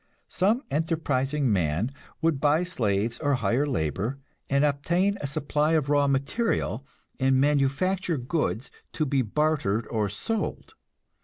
Some enterprising man would buy slaves, or hire labor, and obtain a supply of raw material, and manufacture goods to be bartered or sold.